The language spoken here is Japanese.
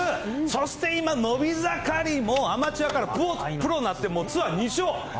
そして今、伸び盛り、もうアマチュアからプロになって、ツアー２勝。